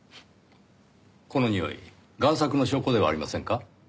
このにおい贋作の証拠ではありませんか？